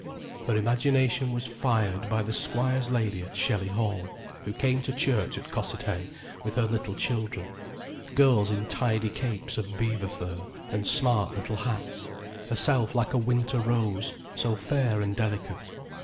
Her imagination was fired by the squire's lady at Shelly Hall, who came to church at Cossethay with her little children, girls in tidy capes of beaver fur, and smart little hats, herself like a winter rose, so fair and delicate.